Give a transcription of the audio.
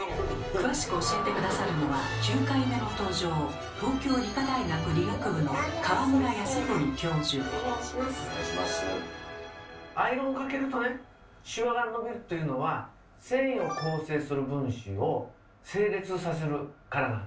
詳しく教えて下さるのは９回目の登場アイロンをかけるとねシワが伸びるというのは繊維を構成する分子を整列させるからなんですね。